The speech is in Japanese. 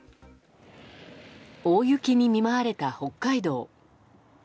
大雪に見舞われた北海道。